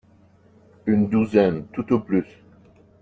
Une douzaine tout au plus